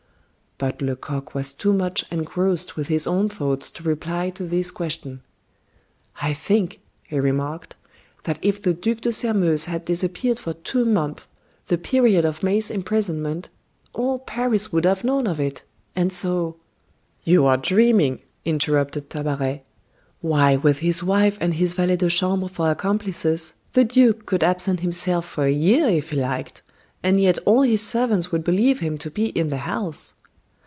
But Lecoq was too much engrossed with his own thoughts to reply to this question. "I think," he remarked, "that if the Duc de Sairmeuse had disappeared for two months the period of May's imprisonment, all Paris would have known of it and so " "You are dreaming," interrupted Tabaret. "Why with his wife and his valet de chambre for accomplices, the duke could absent himself for a year if he liked, and yet all his servants would believe him to be in the house."